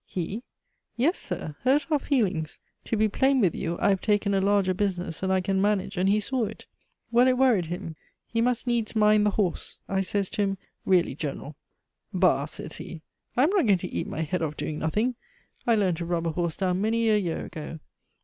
"He?" "Yes, sir, hurt our feelings. To be plain with you, I have taken a larger business than I can manage, and he saw it. Well, it worried him; he must needs mind the horse! I says to him, 'Really, General ' 'Bah!' says he, 'I am not going to eat my head off doing nothing. I learned to rub a horse down many a year ago.